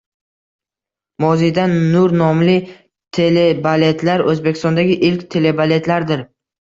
“Moziydan nur” nomli telebaletlar O’zbekistondagi ilk telebaletlardir.